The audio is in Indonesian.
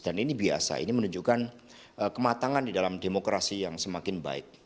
dan ini biasa ini menunjukkan kematangan di dalam demokrasi yang semakin baik